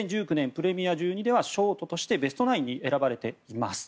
プレミア１２ではショートとしてベストナインに選ばれています。